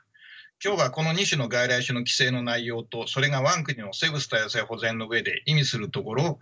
今日はこの２種の外来種の規制の内容とそれが我が国の生物多様性保全の上で意味するところを解説したいと思います。